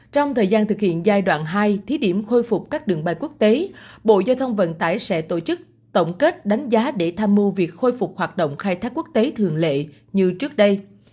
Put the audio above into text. trong thời gian thực hiện giai đoạn hai thí điểm khôi phục các đường bay quốc tế bộ giao thông vận tải sẽ tổ chức tổng kết đánh giá để tham mưu việc khôi phục hoạt động khai thác quốc tế thường lệ như trước đây